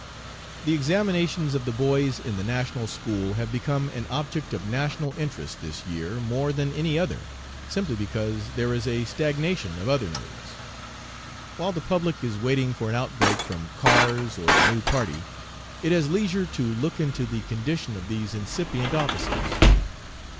"The examinations of the boys in the national school have become an object of national interest this year more than any other, simply because there is a stagnation of other news. While the public is waiting for an outbreak from Kars or the new party, it has leisure to look into the condition of these incipient officers.